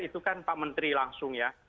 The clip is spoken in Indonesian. itu kan pak menteri langsung ya